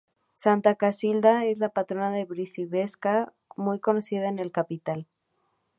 Santa Casilda es la patrona de Briviesca, muy conocida en la capital.